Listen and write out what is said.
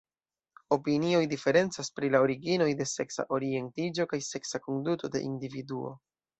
Opinioj diferencas pri la originoj de seksa orientiĝo kaj seksa konduto de individuo.